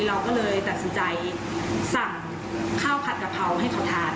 เราก็เลยตัดสินใจสั่งข้าวผัดกะเพราให้เขาทาน